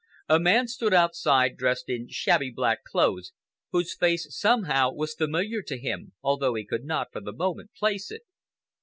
A man stood outside, dressed in shabby black clothes, whose face somehow was familiar to him, although he could not, for the moment, place it.